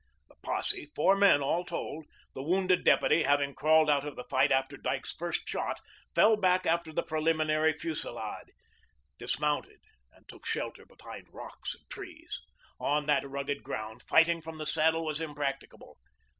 The posse, four men all told the wounded deputy having crawled out of the fight after Dyke's first shot fell back after the preliminary fusillade, dismounted, and took shelter behind rocks and trees. On that rugged ground, fighting from the saddle was impracticable.